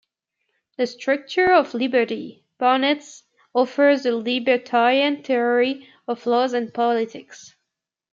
In "The Structure of Liberty", Barnett offers a libertarian theory of law and politics.